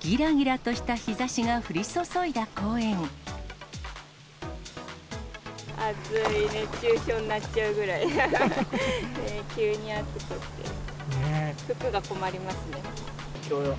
ぎらぎらとした日ざしが降り暑い、熱中症になっちゃうぐらい、急に暑くて、服が困りますね。